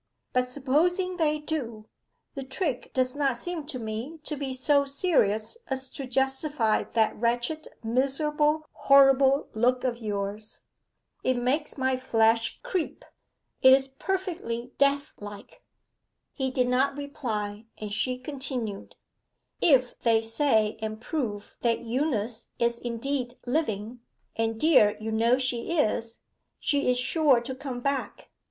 'But supposing they do, the trick does not seem to me to be so serious as to justify that wretched, miserable, horrible look of yours. It makes my flesh creep; it is perfectly deathlike.' He did not reply, and she continued, 'If they say and prove that Eunice is indeed living and dear, you know she is she is sure to come back.